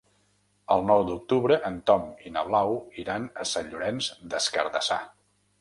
El nou d'octubre en Tom i na Blau iran a Sant Llorenç des Cardassar.